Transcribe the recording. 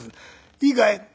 「いいかい？